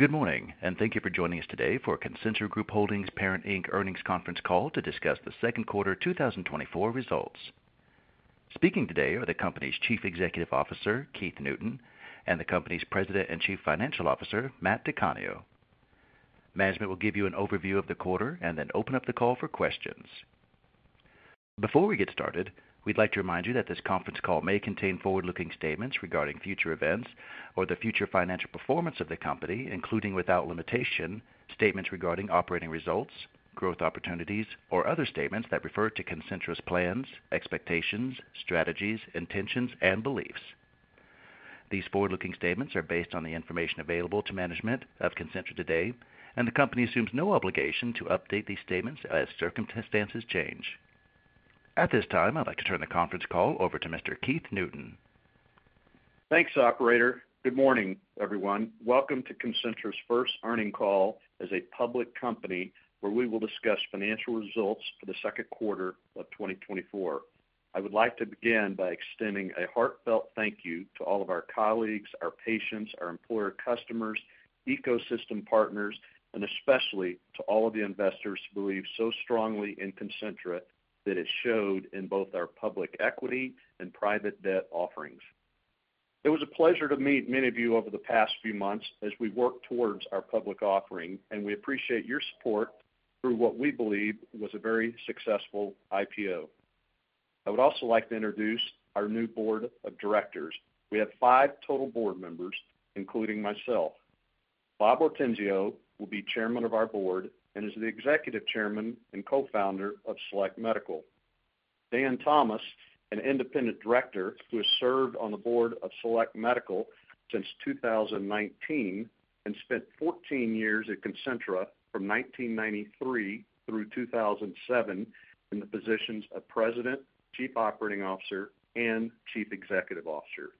Good morning, and thank you for joining us today for Concentra Group Holdings Parent Inc. earnings conference call to discuss the Q2 2024 results. Speaking today are the company's Chief Executive Officer, Keith Newton, and the company's President and Chief Financial Officer, Matthew DiCanio. Management will give you an overview of the quarter and then open up the call for questions. Before we get started, we'd like to remind you that this conference call may contain forward-looking statements regarding future events or the future financial performance of the company, including without limitation, statements regarding operating results, growth opportunities, or other statements that refer to Concentra's plans, expectations, strategies, intentions, and beliefs. These forward-looking statements are based on the information available to management of Concentra today, and the company assumes no obligation to update these statements as circumstances change. At this time, I'd like to turn the conference call over to Mr. Keith Newton. Thanks, operator. Good morning, everyone. Welcome to Concentra's first earnings call as a public company, where we will discuss financial results for the Q2 of 2024. I would like to begin by extending a heartfelt thank you to all of our colleagues, our patients, our employer customers, ecosystem partners, and especially to all of the investors who believe so strongly in Concentra that it showed in both our public equity and private debt offerings. It was a pleasure to meet many of you over the past few months as we worked towards our public offering, and we appreciate your support through what we believe was a very successful IPO. I would also like to introduce our new board of directors. We have 5 total board members, including myself. Bob Ortenzio will be Chairman of our board and is the Executive Chairman and Co-Founder of Select Medical. Daniel Thomas, an independent director who has served on the board of Select Medical since 2019 and spent 14 years at Concentra from 1993 through 2007 in the positions of President, Chief Operating Officer, and Chief Executive Officer.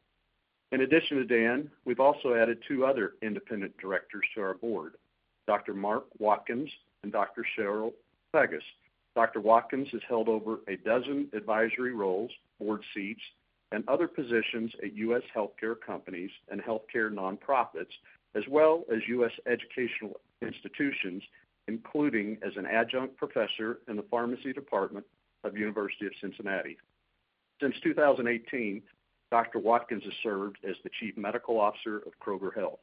In addition to Dan, we've also added two other independent directors to our board, Dr. Marc Watkins and Dr. Cheryl Pegus. Dr. Watkins has held over a dozen advisory roles, board seats, and other positions at U.S. healthcare companies and healthcare nonprofits, as well as U.S. educational institutions, including as an adjunct professor in the pharmacy department of University of Cincinnati. Since 2018, Dr. Watkins has served as the Chief Medical Officer of Kroger Health.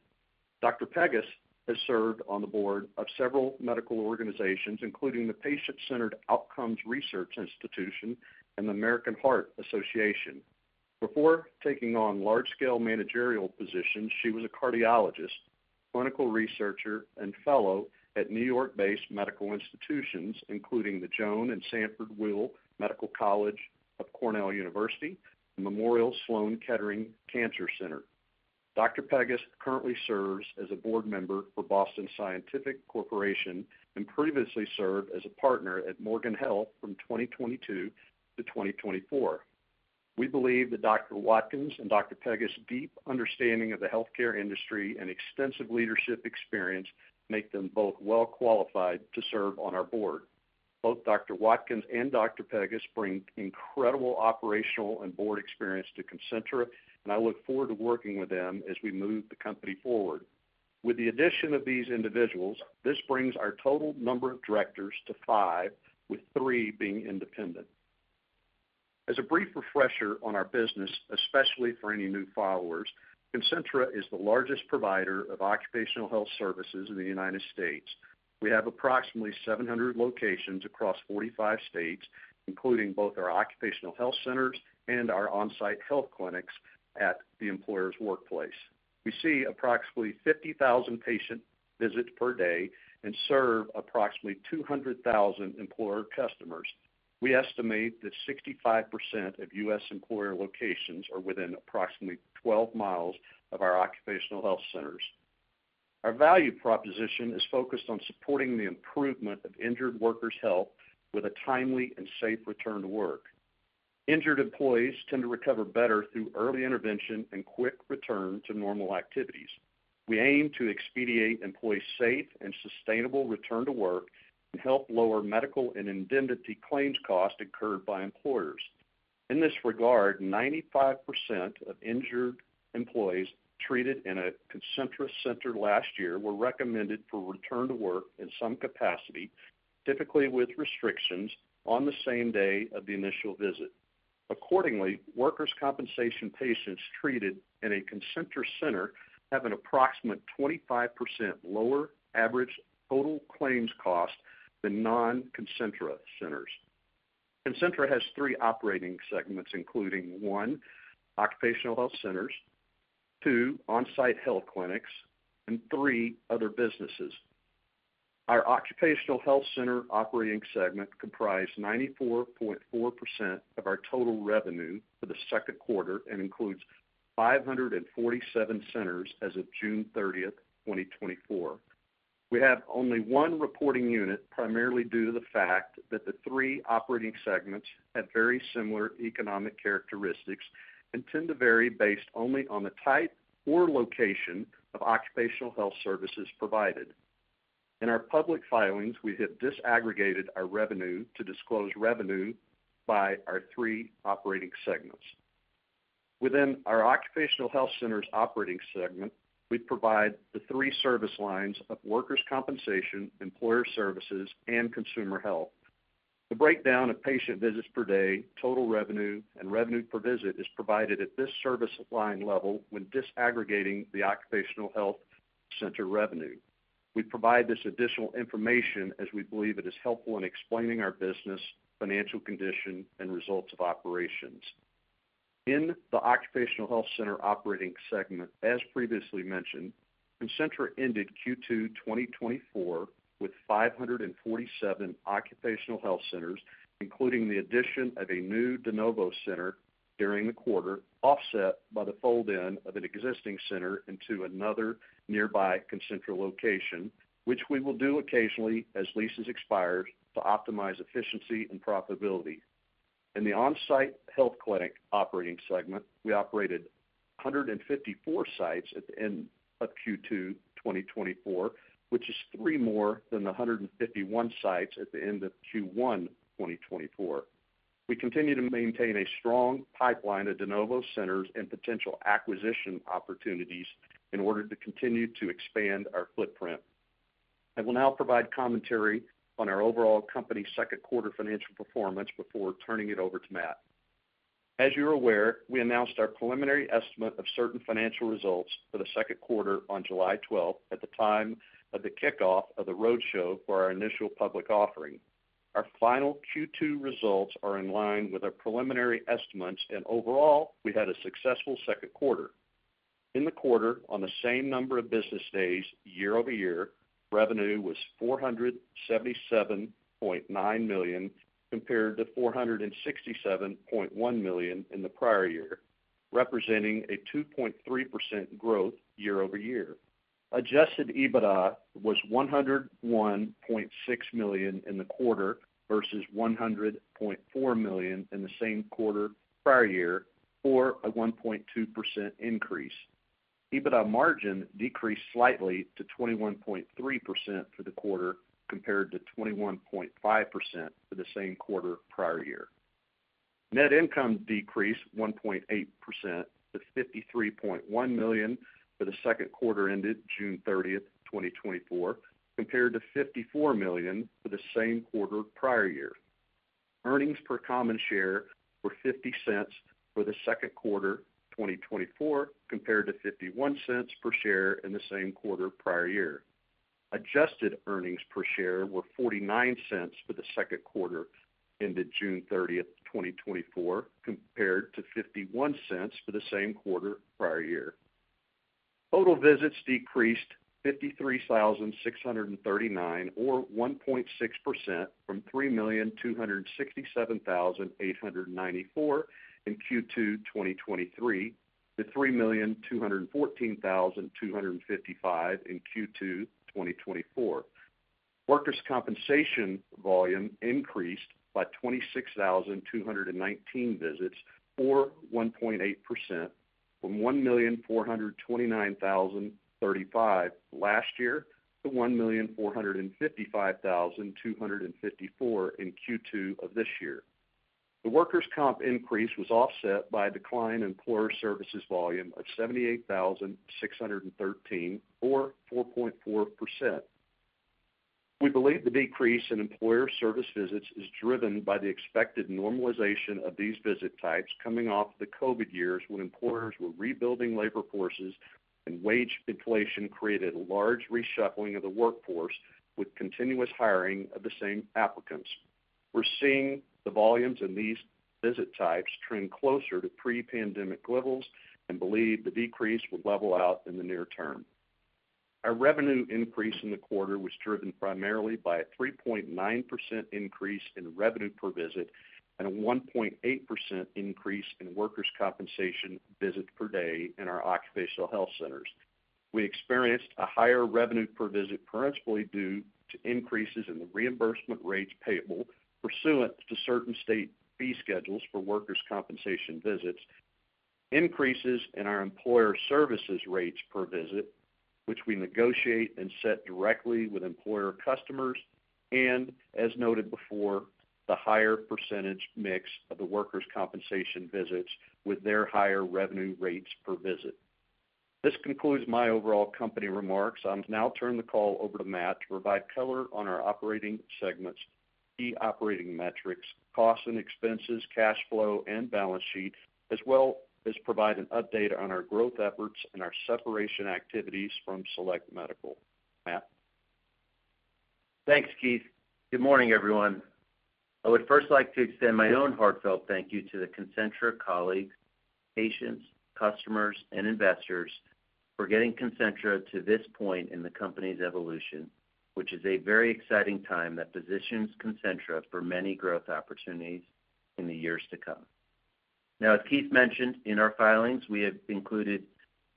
Dr. Pegus has served on the board of several medical organizations, including the Patient-Centered Outcomes Research Institute and the American Heart Association. Before taking on large-scale managerial positions, she was a cardiologist, clinical researcher, and fellow at New York-based medical institutions, including the Joan and Sanford I. Weill Medical College of Cornell University and Memorial Sloan Kettering Cancer Center. Dr. Pegus currently serves as a board member for Boston Scientific Corporation and previously served as a partner at Morgan Health from 2022 to 2024. We believe that Dr. Watkins and Dr. Pegus' deep understanding of the healthcare industry and extensive leadership experience make them both well qualified to serve on our board. Both Dr. Watkins and Dr. Pegus bring incredible operational and board experience to Concentra, and I look forward to working with them as we move the company forward. With the addition of these individuals, this brings our total number of directors to five, with three being independent. As a brief refresher on our business, especially for any new followers, Concentra is the largest provider of occupational health services in the United States. We have approximately 700 locations across 45 states, including both our occupational health centers and our on-site health clinics at the employer's workplace. We see approximately 50,000 patient visits per day and serve approximately 200,000 employer customers. We estimate that 65% of U.S. employer locations are within approximately 12 miles of our occupational health centers. Our value proposition is focused on supporting the improvement of injured workers' health with a timely and safe return to work. Injured employees tend to recover better through early intervention and quick return to normal activities. We aim to expediate employees' safe and sustainable return to work and help lower medical and indemnity claims costs incurred by employers. In this regard, 95% of injured employees treated in a Concentra center last year were recommended for return to work in some capacity, typically with restrictions on the same day of the initial visit. Accordingly, workers' compensation patients treated in a Concentra center have an approximate 25% lower average total claims cost than non-Concentra centers. Concentra has three operating segments, including, one, occupational health centers, two, on-site health clinics, and three, other businesses. Our occupational health center operating segment comprised 94.4% of our total revenue for the Q2 and includes 547 centers as of June 30, 2024. We have only one reporting unit, primarily due to the fact that the three operating segments have very similar economic characteristics and tend to vary based only on the type or location of occupational health services provided.... In our public filings, we have disaggregated our revenue to disclose revenue by our three operating segments. Within our occupational health centers operating segment, we provide the three service lines of workers' compensation, employer services, and consumer health. The breakdown of patient visits per day, total revenue, and revenue per visit is provided at this service line level when disaggregating the occupational health center revenue. We provide this additional information as we believe it is helpful in explaining our business, financial condition, and results of operations. In the occupational health center operating segment, as previously mentioned, Concentra ended Q2 2024 with 547 occupational health centers, including the addition of a new de novo center during the quarter, offset by the fold-in of an existing center into another nearby Concentra location, which we will do occasionally as leases expire to optimize efficiency and profitability. In the on-site health clinic operating segment, we operated 154 sites at the end of Q2 2024, which is three more than the 151 sites at the end of Q1 2024. We continue to maintain a strong pipeline of de novo centers and potential acquisition opportunities in order to continue to expand our footprint. I will now provide commentary on our overall company's Q2 financial performance before turning it over to Matt. As you are aware, we announced our preliminary estimate of certain financial results for the Q2 on July 12th, at the time of the kickoff of the roadshow for our initial public offering. Our final Q2 results are in line with our preliminary estimates, and overall, we had a successful Q2. In the quarter, on the same number of business days year-over-year, revenue was $477.9 million, compared to $467.1 million in the prior year, representing 2.3% growth year-over-year. Adjusted EBITDA was $101.6 million in the quarter versus $100.4 million in the same quarter prior year, or a 1.2% increase. EBITDA margin decreased slightly to 21.3% for the quarter, compared to 21.5% for the same quarter prior year. Net income decreased 1.8% to $53.1 million for the second quarter ended June 30th, 2024, compared to $54 million for the same quarter prior year. Earnings per common share were $0.50 for the Q2, 2024, compared to $0.51 per share in the same quarter prior year. Adjusted earnings per share were $0.49 for the Q2 ended June 30th, 2024, compared to $0.51 for the same quarter prior year. Total visits decreased 53,639, or 1.6%, from 3,267,894 in Q2 2023, to 3,214,255 in Q2 2024. Workers' compensation volume increased by 26,219 visits, or 1.8%, from 1,429,035 last year to 1,455,254 in Q2 of this year. The workers' comp increase was offset by a decline in employer services volume of 78,613, or 4.4%. We believe the decrease in employer service visits is driven by the expected normalization of these visit types coming off the COVID years, when employers were rebuilding labor forces and wage inflation created a large reshuffling of the workforce, with continuous hiring of the same applicants. We're seeing the volumes in these visit types trend closer to pre-pandemic levels and believe the decrease will level out in the near term. Our revenue increase in the quarter was driven primarily by a 3.9% increase in revenue per visit and a 1.8% increase in workers' compensation visits per day in our occupational health centers. We experienced a higher revenue per visit, principally due to increases in the reimbursement rates payable pursuant to certain state fee schedules for workers' compensation visits, increases in our employer services rates per visit, which we negotiate and set directly with employer customers, and as noted before, the higher percentage mix of the workers' compensation visits with their higher revenue rates per visit. This concludes my overall company remarks. I'll now turn the call over to Matt to provide color on our operating segments, key operating metrics, costs and expenses, cash flow, and balance sheet, as well as provide an update on our growth efforts and our separation activities from Select Medical. Matt? Thanks, Keith. Good morning, everyone. I would first like to extend my own heartfelt thank you to the Concentra colleagues, patients, customers, and investors for getting Concentra to this point in the company's evolution, which is a very exciting time that positions Concentra for many growth opportunities in the years to come. Now, as Keith mentioned, in our filings, we have included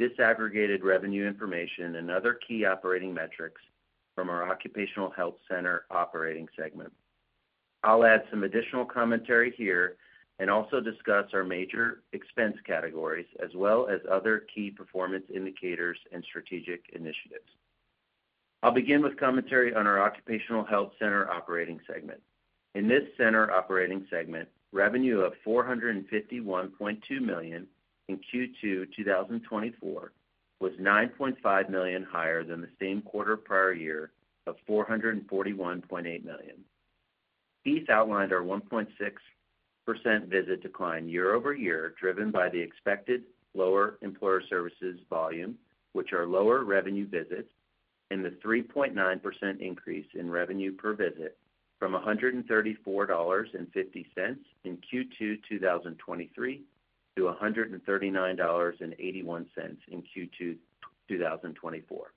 disaggregated revenue information and other key operating metrics from our occupational health center operating segment.... I'll add some additional commentary here and also discuss our major expense categories, as well as other key performance indicators and strategic initiatives. I'll begin with commentary on our occupational health center operating segment. In this center operating segment, revenue of $451.2 million in Q2 2024 was $9.5 million higher than the same quarter prior year of $441.8 million. This outlined our 1.6% visit decline year-over-year, driven by the expected lower employer services volume, which are lower revenue visits, and the 3.9% increase in revenue per visit from $134.50 in Q2 2023, to $139.81 in Q2 2024.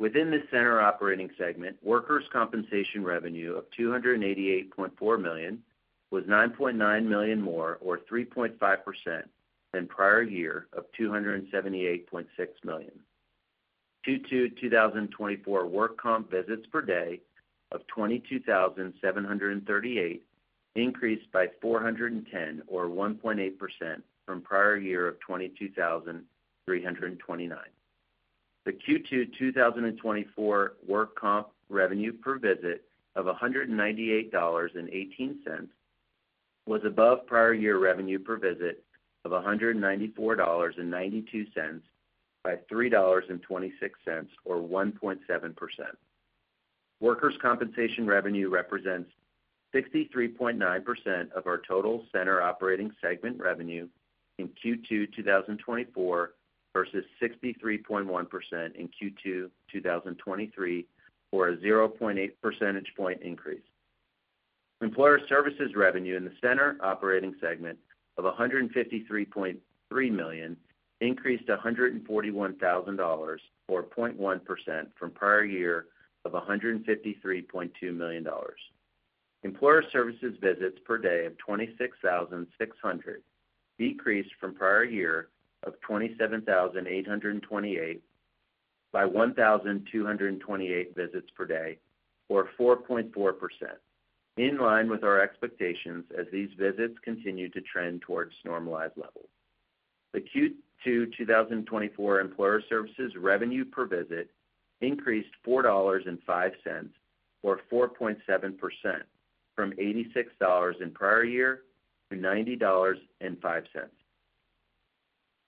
Within this center operating segment, workers' compensation revenue of $288.4 million was $9.9 million more, or 3.5%, than prior year of $278.6 million. Q2 2024 work comp visits per day of 22,738 increased by 410, or 1.8%, from prior year of 22,329. The Q2, 2024 work comp revenue per visit of $198.18 was above prior year revenue per visit of $194.92 by $3.26, or 1.7%. Workers' compensation revenue represents 63.9% of our total center operating segment revenue in Q2, 2024, versus 63.1% in Q2, 2023, or a 0.8 percentage point increase. Employer services revenue in the center operating segment of $153.3 million increased $141,000, or 0.1%, from prior year of $153.2 million. Employer services visits per day of 26,600 decreased from prior year of 27,828 by 1,228 visits per day, or 4.4%, in line with our expectations as these visits continue to trend towards normalized levels. The Q2, 2024, employer services revenue per visit increased $4.05, or 4.7%, from $86 in prior year to $90.05.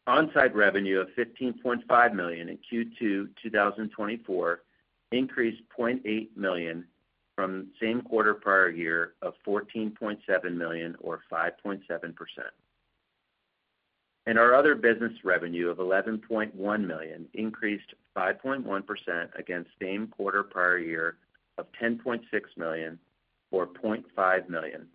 On-site revenue of $15.5 million in Q2, 2024, increased $0.8 million from the same quarter prior year of $14.7 million, or 5.7%. Our other business revenue of $11.1 million increased 5.1% against same quarter prior year of $10.6 million, or $0.5 million.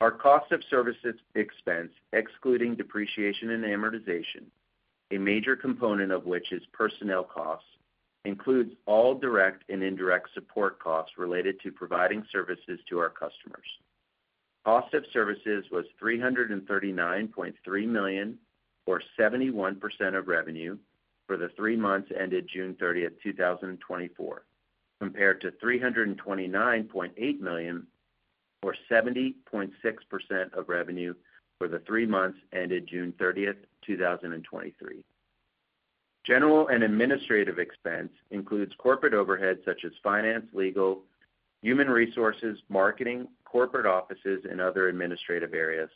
Our cost of services expense, excluding depreciation and amortization, a major component of which is personnel costs, includes all direct and indirect support costs related to providing services to our customers. Cost of services was $339.3 million, or 71% of revenue, for the three months ended June 30th, 2024, compared to $329.8 million, or 70.6% of revenue, for the three months ended June 30th, 2023. General and administrative expense includes corporate overhead such as finance, legal, human resources, marketing, corporate offices, and other administrative areas.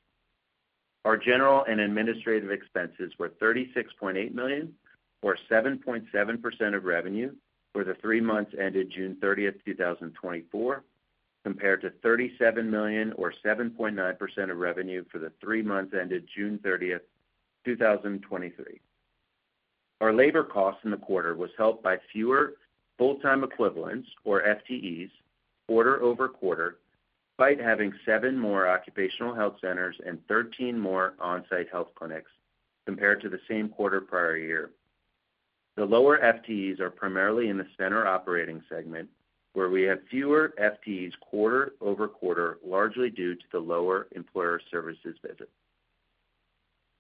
Our general and administrative expenses were $36.8 million, or 7.7% of revenue, for the three months ended June 30th, 2024, compared to $37 million, or 7.9% of revenue, for the three months ended June 30th, 2023. Our labor costs in the quarter was helped by fewer full-time equivalents, or FTEs, quarter-over-quarter, despite having 7 more occupational health centers and 13 more on-site health clinics compared to the same quarter prior year. The lower FTEs are primarily in the center operating segment, where we have fewer FTEs quarter-over-quarter, largely due to the lower employer services visit.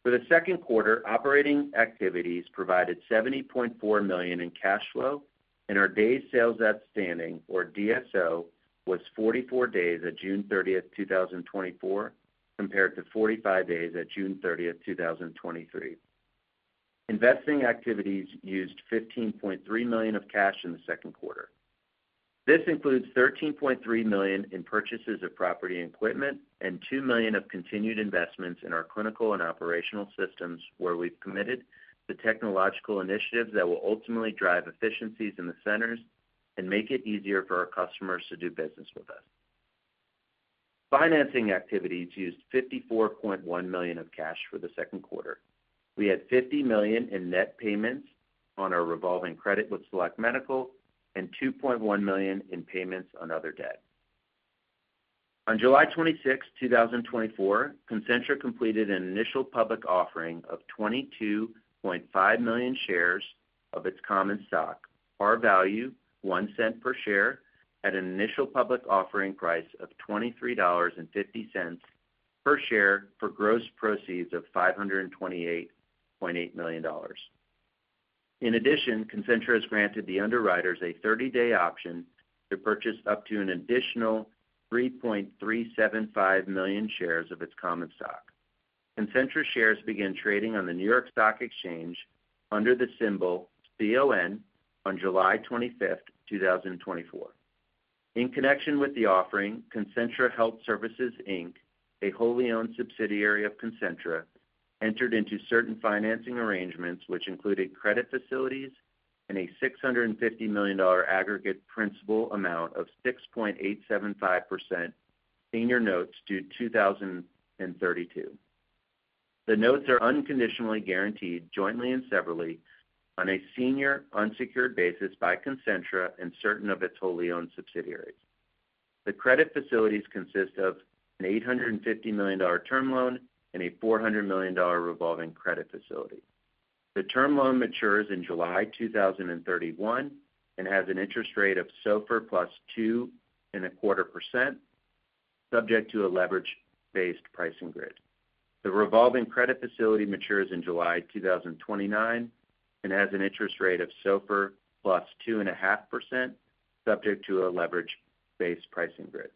For the Q2, operating activities provided $70.4 million in cash flow, and our days sales outstanding, or DSO, was 44 days at June 30th, 2024, compared to 45 days at June 30th, 2023. Investing activities used $15.3 million of cash in the Q2. This includes $13.3 million in purchases of property and equipment, and $2 million of continued investments in our clinical and operational systems, where we've committed to technological initiatives that will ultimately drive efficiencies in the centers and make it easier for our customers to do business with us. Financing activities used $54.1 million of cash for the Q2. We had $50 million in net payments on our revolving credit with Select Medical and $2.1 million in payments on other debt. On July 26, 2024, Concentra completed an initial public offering of 22.5 million shares of its common stock, par value $0.01 per share, at an initial public offering price of $23.50 per share for gross proceeds of $528.8 million. In addition, Concentra has granted the underwriters a 30-day option to purchase up to an additional $3.375 million shares of its common stock. Concentra shares begin trading on the New York Stock Exchange under the symbol CON on July 25th, 2024. In connection with the offering, Concentra Health Services, Inc., a wholly owned subsidiary of Concentra, entered into certain financing arrangements, which included credit facilities and a $650 million aggregate principal amount of 6.875% senior notes due 2032. The notes are unconditionally guaranteed jointly and severally on a senior unsecured basis by Concentra and certain of its wholly owned subsidiaries. The credit facilities consist of an $850 million term loan and a $400 million revolving credit facility. The term loan matures in July 2031 and has an interest rate of SOFR +2.25%, subject to a leverage-based pricing grid. The revolving credit facility matures in July 2029 and has an interest rate of SOFR +2.5%, subject to a leverage-based pricing grid.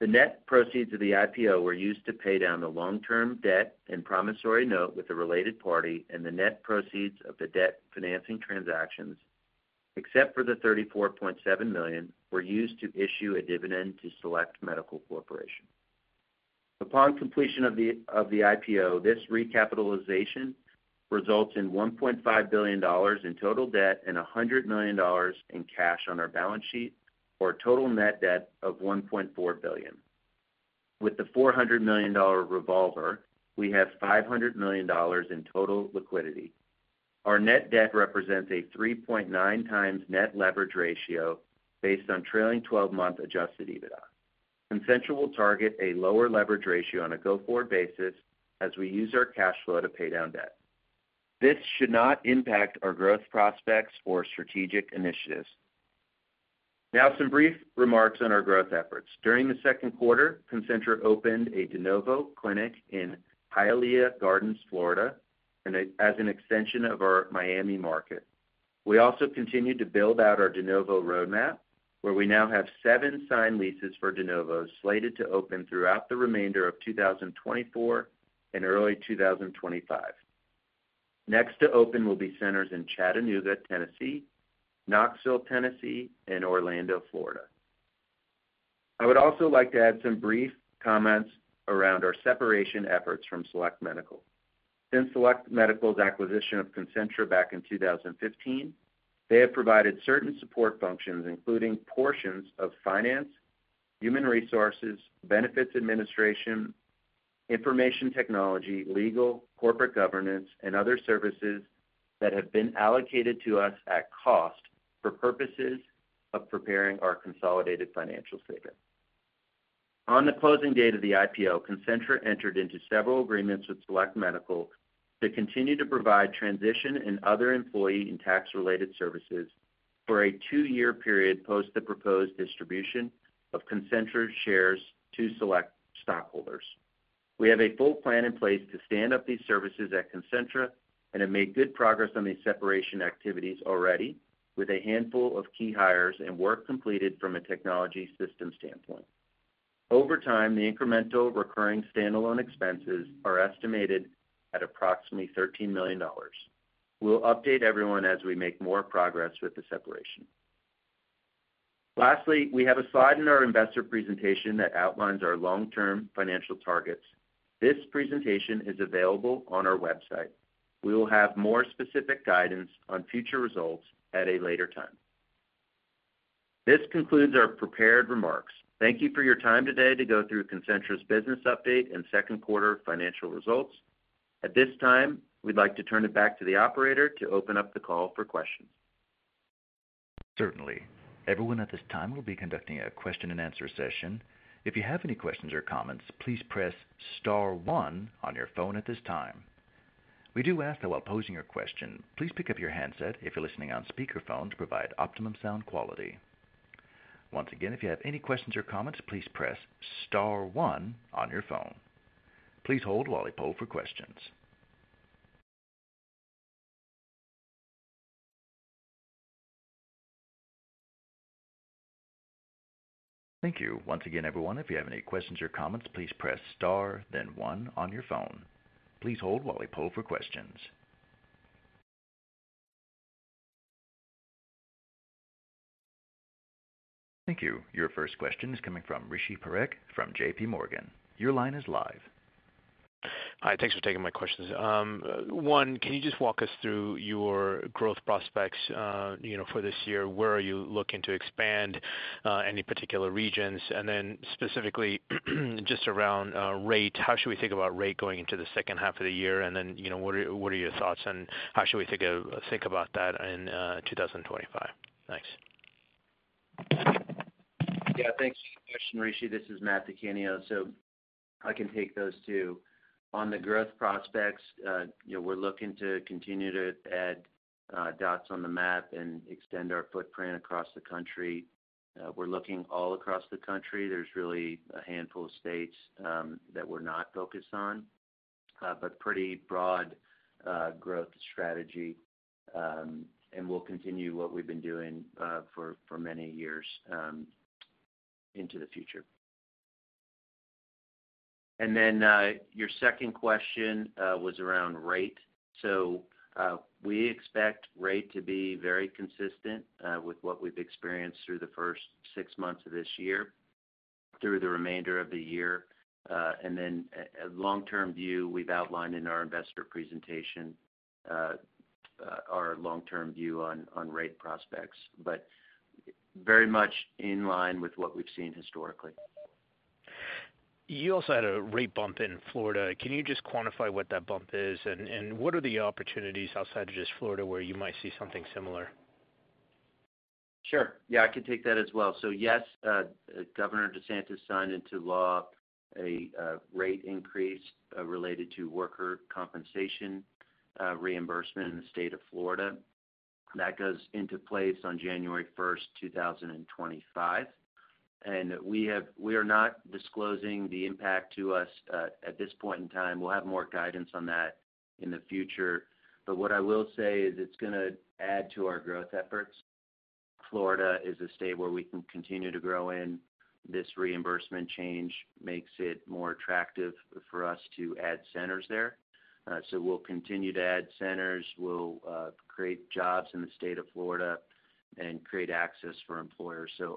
The net proceeds of the IPO were used to pay down the long-term debt and promissory note with the related party, and the net proceeds of the debt financing transactions, except for the $34.7 million, were used to issue a dividend to Select Medical Corporation. Upon completion of the IPO, this recapitalization results in $1.5 billion in total debt and $100 million in cash on our balance sheet, or a total net debt of $1.4 billion. With the $400 million revolver, we have $500 million in total liquidity. Our net debt represents a 3.9x net leverage ratio based on trailing twelve-month Adjusted EBITDA. Concentra will target a lower leverage ratio on a go-forward basis as we use our cash flow to pay down debt. This should not impact our growth prospects or strategic initiatives. Now, some brief remarks on our growth efforts. During the Q2, Concentra opened a de novo clinic in Hialeah Gardens, Florida, and as an extension of our Miami market. We also continued to build out our de novo roadmap, where we now have seven signed leases for de novos, slated to open throughout the remainder of 2024 and early 2025. Next to open will be centers in Chattanooga, Tennessee, Knoxville, Tennessee, and Orlando, Florida. I would also like to add some brief comments around our separation efforts from Select Medical. Since Select Medical's acquisition of Concentra back in 2015, they have provided certain support functions, including portions of finance, human resources, benefits administration, information technology, legal, corporate governance, and other services that have been allocated to us at cost for purposes of preparing our consolidated financial statement. On the closing date of the IPO, Concentra entered into several agreements with Select Medical to continue to provide transition and other employee and tax-related services for a two-year period post the proposed distribution of Concentra shares to Select stockholders. We have a full plan in place to stand up these services at Concentra and have made good progress on these separation activities already, with a handful of key hires and work completed from a technology system standpoint. Over time, the incremental recurring standalone expenses are estimated at approximately $13 million. We'll update everyone as we make more progress with the separation. Lastly, we have a slide in our investor presentation that outlines our long-term financial targets. This presentation is available on our website. We will have more specific guidance on future results at a later time. This concludes our prepared remarks. Thank you for your time today to go through Concentra's business update and Q2 financial results. At this time, we'd like to turn it back to the operator to open up the call for questions. Certainly. Everyone at this time, we'll be conducting a question-and-answer session. If you have any questions or comments, please press star one on your phone at this time. We do ask that while posing your question, please pick up your handset if you're listening on speakerphone to provide optimum sound quality. Once again, if you have any questions or comments, please press star one on your phone. Please hold while we poll for questions. Thank you. Once again, everyone, if you have any questions or comments, please press star, then one on your phone. Please hold while we poll for questions. Thank you. Your first question is coming from Rishi Parekh from J.P. Morgan. Your line is live. Hi, thanks for taking my questions. One, can you just walk us through your growth prospects, you know, for this year? Where are you looking to expand, any particular regions? And then specifically, just around, rate, how should we think about rate going into the second half of the year? And then, you know, what are your thoughts, and how should we think of—think about that in 2025? Thanks. Yeah, thanks for the question, Rishi. This is Matt DiCanio, so I can take those two. On the growth prospects, you know, we're looking to continue to add dots on the map and extend our footprint across the country. We're looking all across the country. There's really a handful of states that we're not focused on, but pretty broad growth strategy. And we'll continue what we've been doing for many years into the future. And then, your second question was around rate. So, we expect rate to be very consistent with what we've experienced through the first six months of this year, through the remainder of the year. And then, long-term view, we've outlined in our investor presentation, our long-term view on rate prospects, but very much in line with what we've seen historically. You also had a rate bump in Florida. Can you just quantify what that bump is? And what are the opportunities outside of just Florida, where you might see something similar? Sure. Yeah, I can take that as well. So yes, Governor DeSantis signed into law a rate increase related to workers' compensation reimbursement in the state of Florida. That goes into place on January first, two thousand and twenty-five. We are not disclosing the impact to us at this point in time. We'll have more guidance on that in the future. But what I will say is it's gonna add to our growth efforts. Florida is a state where we can continue to grow in. This reimbursement change makes it more attractive for us to add centers there. So we'll continue to add centers. We'll create jobs in the state of Florida and create access for employers. So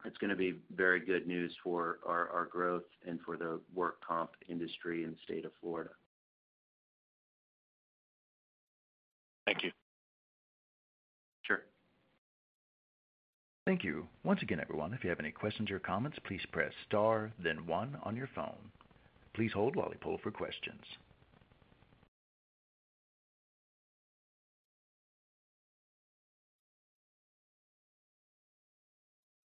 overall, it's gonna be very good news for our growth and for the work comp industry in the state of Florida. Thank you. Sure. Thank you. Once again, everyone, if you have any questions or comments, please press star, then one on your phone. Please hold while I poll for questions.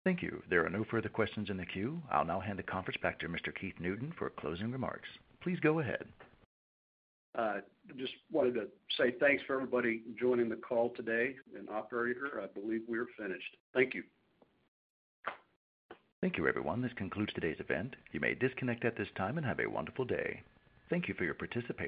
Thank you. There are no further questions in the queue. I'll now hand the conference back to Mr. Keith Newton for closing remarks. Please go ahead. Just wanted to say thanks for everybody joining the call today, and operator, I believe we are finished. Thank you. Thank you, everyone. This concludes today's event. You may disconnect at this time and have a wonderful day. Thank you for your participation.